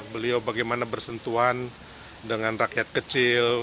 beliau bagaimana bersentuhan dengan rakyat kecil